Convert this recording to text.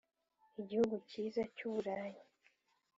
igihugu cyiza cy’uburayi.